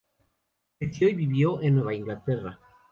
Creció y vivió en Nueva Inglaterra.